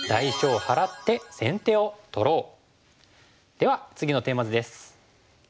では次のテーマ図です。